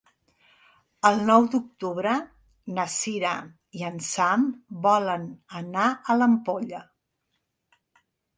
El nou d'octubre na Sira i en Sam volen anar a l'Ampolla.